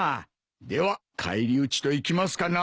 では返り討ちといきますかな。